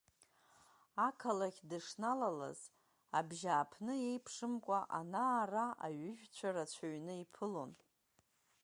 Ақалақь дышналалаз абжьааԥны еиԥшымкәа, ана-ара аҩыжәцәа рацәаҩны иԥылон.